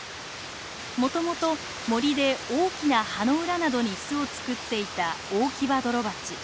もともと森で大きな葉の裏などに巣を作っていたオオキバドロバチ。